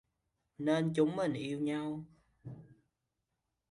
Nên chúng mình yêu nhau